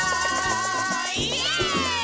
イエーイ！